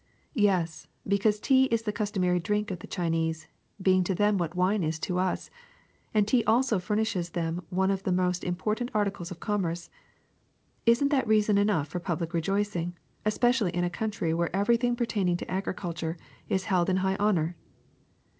Yes, because tea is the customary drink of the Chinese, being to them what wine is to us; and tea also furnishes them one of their most important articles of commerce. Is n't that reason enough for public rejoicing, especially in a country where every thing pertaining to agriculture is held in high honor?